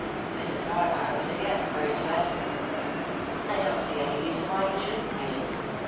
Mrs. Harmar was again the first to answer. "I don't see any reason why you shouldn't read it.